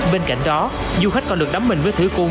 bên cạnh đó du khách còn được đắm mình với thứ cung